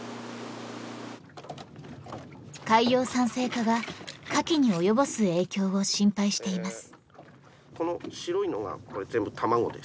海洋酸性化がカキに及ぼす影響を心配しています。